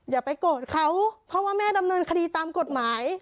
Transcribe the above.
อย่าไปโกรธเขาเพราะว่าแม่ดำเนินคดีตามกฎหมาย